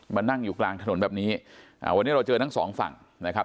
นั่งอยู่กลางถนนแบบนี้วันนี้เราเจอทั้งสองฝั่งนะครับ